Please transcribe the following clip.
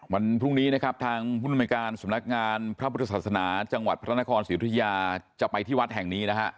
วันพรุ่งนี้นะครับทางภูมิในการสำนักงานพระพุทธศาสนาจังหวัดพระนครศรีอุทยาจะไปที่วัดแห่งนี้นะฮะ